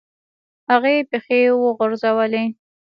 هغې پښې وروغځولې.